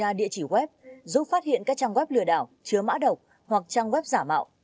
kiểm tra địa chỉ web giúp phát hiện các trang web lừa đảo chứa mã độc hoặc trang web giả mạo